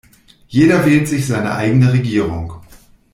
Jeder wählt sich seine eigene Regierung.